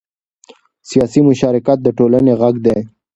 سیاسي مشارکت د ټولنې غږ دی